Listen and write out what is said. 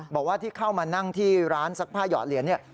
บอกว่าที่เข้ามานั่งที่ร้านซักผ้าหยอดเหรียญเนี่ย